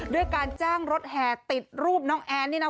ด้วยการจ้างรถแห่ติดรูปน้องแอนนี่นะ